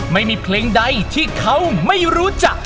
ไม่มีเพลงใดที่เขาไม่รู้จัก